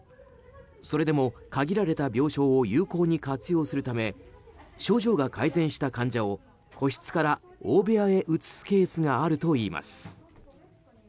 それでも、限られた病床を有効に活用するため症状が改善した患者を個室から大部屋へ移すケースがあるといいます。